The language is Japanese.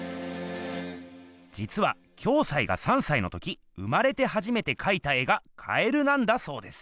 じつは暁斎が３さいのとき生まれてはじめてかいた絵が蛙なんだそうです。